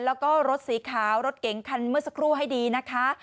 แล้วก็รถสีขาวรถเก๋งคันเมื่อสักครู่ให้ดีนะคะ